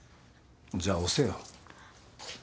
じゃあ押せよ。